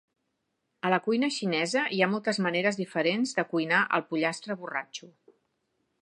A la cuina xinesa, hi ha moltes maneres diferents de cuinar el pollastre borratxo.